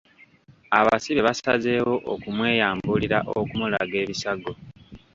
Abasibe basazeewo okumweyambulira okumulaga ebisago.